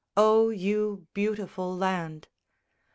_O, you beautiful land!